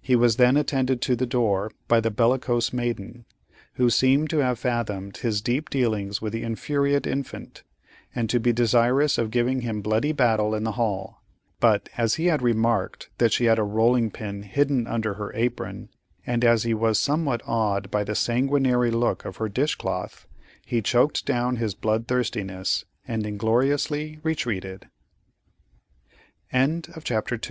He was then attended to the door by the bellicose maiden, who seemed to have fathomed his deep dealings with the infuriate infant, and to be desirous of giving him bloody battle in the hall, but as he had remarked that she had a rolling pin hidden under her apron, and as he was somewhat awed by the sanguinary look of her dish cloth, he choked down his blood thirstiness and ingloriously retreated. CHAPTER III. Wher